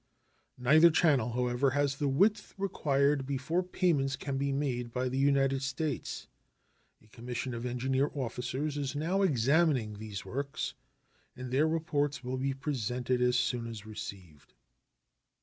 Neither channel, however, has the width required before payments can be made by the United States. A commission of engineer officers is now examining these works, and their reports will be presented as soon as received.